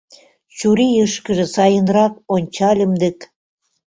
Чурийышкыже сайынрак ончальым дык...